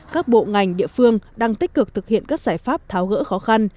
các bộ ngành địa phương đang tích cực thực hiện các giải pháp tháo gỡ khó khăn